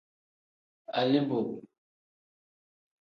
Aliboo.